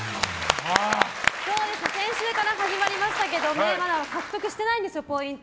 先週から始まりましたけどまだ獲得してないんですよポイント。